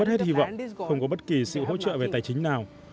tôi hết hy vọng không có bất kỳ sự hỗ trợ về tài chính nào